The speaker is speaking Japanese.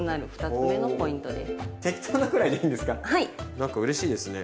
なんかうれしいですね。